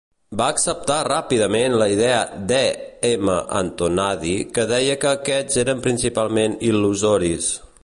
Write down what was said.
Va acceptar ràpidament la idea d"E. M. Antonadi que deia que aquests eren principalment il·lusoris.